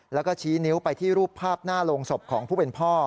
แล้วก็ชี้นิ้วไปที่รูปภาพหน้าโรงศพของผู้เป็นพ่อ